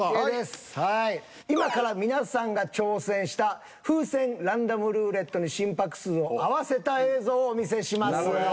今から皆さんが挑戦した風船ランダムルーレットに心拍数を合わせた映像をお見せします。